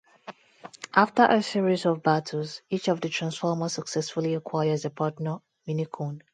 After a series of battles, each of the Transformers successfully acquires a partner Mini-Con.